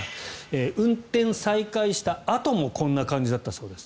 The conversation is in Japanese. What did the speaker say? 運転再開したあともこんな感じだったそうです。